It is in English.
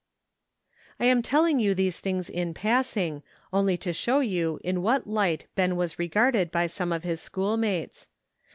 I am telling you these things in passing, only to show you in what light Ben was regarded by some of his schoolmates.